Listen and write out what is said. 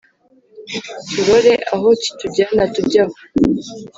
Turore aho kitujyana tujye aho